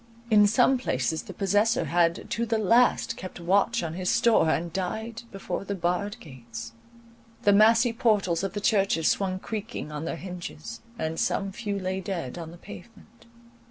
In some places the possessor had to the last kept watch on his store, and died before the barred gates. The massy portals of the churches swung creaking on their hinges; and some few lay dead on the pavement.